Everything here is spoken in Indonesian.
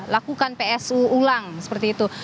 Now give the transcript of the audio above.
lakukan psu ulang seperti itu